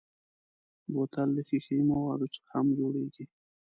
بوتل له ښیښهيي موادو هم جوړېږي.